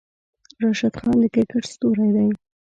راشد خان د کرکیټ ستوری دی.